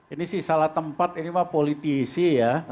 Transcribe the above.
ini sih salah tempat ini mah politisi ya